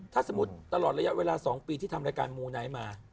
ถ้าสมมุติตลอดระยะเวลา๒ปีที่ทำรายการมูไนท์มา